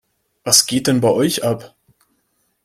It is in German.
Was geht denn bei euch ab?